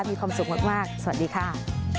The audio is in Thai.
มีความสุขมากสวัสดีค่ะ